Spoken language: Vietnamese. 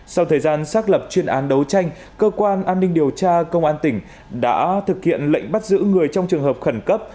sau thời gian xác lập chuyên án đấu tranh cơ quan an ninh điều tra công an tỉnh đã thực hiện lệnh bắt giữ người trong trường hợp khẩn cấp